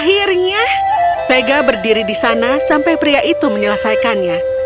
akhirnya vega berdiri di sana sampai pria itu menyelesaikannya